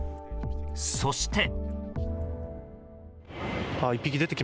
そして。